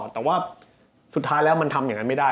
แต่ว่าสุดท้ายแล้วมันทำอย่างนั้นไม่ได้